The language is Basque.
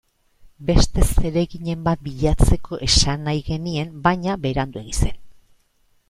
Beste zereginen bat bilatzeko esan nahi genien, baina Beranduegi zen.